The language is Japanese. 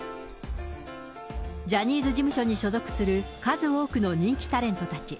ジャニーズ事務所に所属する数多くの人気タレントたち。